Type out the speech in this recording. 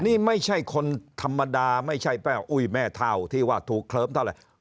นี่ไม่ใช่คนธรรมดาไม่ใช่ป้าอุ้ยแม่เท่าที่ว่าถูกเคลิ้มเท่าไหร่